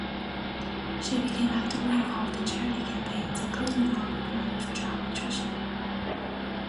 She became actively involved in charity campaigns including the local Committee for Child Nutrition.